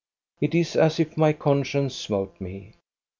It is as if my con science smote me.